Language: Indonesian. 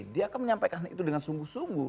dia akan menyampaikan hal itu dengan sungguh sungguh